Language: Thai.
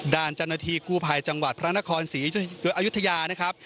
ด้านเจ้าหน้าที่กู้ภัยจังหวัดพระนคร๒๔๘บโดยอายุทยา